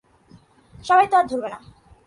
সবাই তো আর ধরবে না।